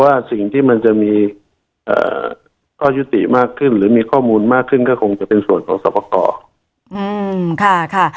ว่าสิ่งที่มันจะมีข้อยุติมากขึ้นหรือมีข้อมูลมากขึ้นก็คงจะเป็นส่วนของสอบประกอบ